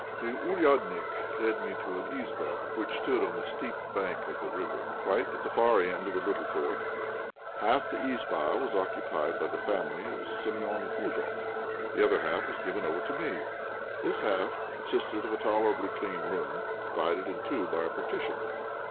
The "ouriadnik" led me to an izbá, which stood on the steep bank of the river, quite at the far end of the little fort. Half the izbá was occupied by the family of Séméon Kouzoff, the other half was given over to me. This half consisted of a tolerably clean room, divided into two by a partition.